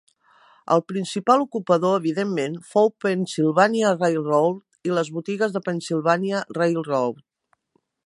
El principal ocupador, evidentment, fou Pennsylvania Railroad i les botigues de Pennsylvania Railroad.